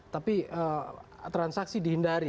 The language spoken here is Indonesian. tapi transaksi dihindari